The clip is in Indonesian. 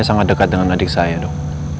sangat dekat dengan adik saya dok